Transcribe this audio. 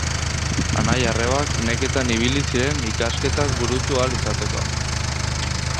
Anai-arrebak neketan ibili ziren ikasketak burutu ahal izateko.